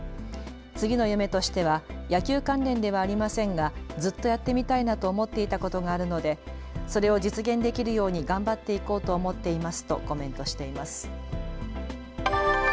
次の夢としては野球関連ではありませんがずっとやってみたいなと思っていたことがあるのでそれを実現できるように頑張っていこうと思っていますとコメントしています。